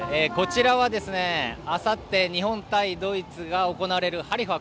こちらは、あさって日本対ドイツが行われるハリファ